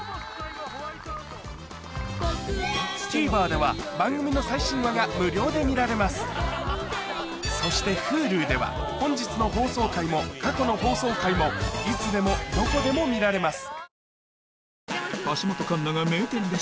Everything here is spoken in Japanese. ＴＶｅｒでは番組の最新話が無料で見られますそしてＨｕｌｕでは本日の放送回も過去の放送回もいつでもどこでも見られます